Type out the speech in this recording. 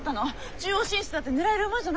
中央進出だって狙える馬じゃなかったの？